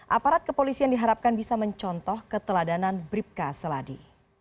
aparat kepolisi yang diharapkan bisa mencontoh keteladanan bripka seladi